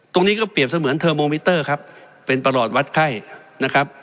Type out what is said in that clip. ตรงนี้ก็เปรียบเสมือนเทอร์โมมิเตอร์ครับเป็นประหลอดวัดไข้นะครับ